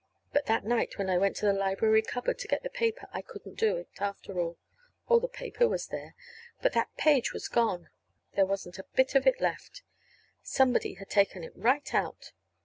But that night, when I went to the library cupboard to get the paper, I couldn't do it, after all. Oh, the paper was there, but that page was gone. There wasn't a bit of it left. Somebody had taken it right out.